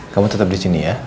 kamu tetap disini ya